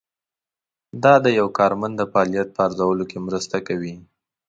دا د یو کارمند د فعالیت په ارزولو کې مرسته کوي.